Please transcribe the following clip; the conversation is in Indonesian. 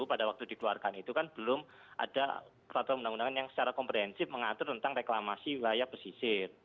pada waktu dikeluarkan itu kan belum ada peraturan undang undangan yang secara komprehensif mengatur tentang reklamasi wilayah pesisir